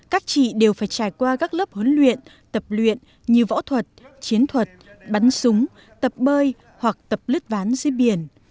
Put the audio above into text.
các chị đều phải trải qua các lớp huấn luyện tập luyện như võ thuật chiến thuật bắn súng tập bơi hoặc tập lướt ván dưới biển